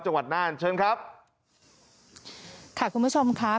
จังหวัดน่านเชิญครับค่ะคุณผู้ชมค่ะ